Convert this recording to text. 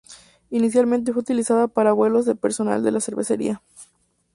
Inicialmente fue utilizada para vuelos del personal de la cervecería.